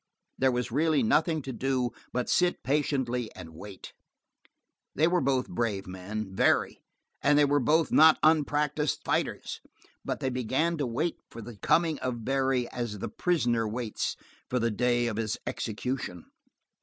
There was really nothing to do but sit patiently and wait. They were both brave men, very; and they were both not unpracticed fighters; but they began to wait for the coming of Barry as the prisoner waits for the day of his execution.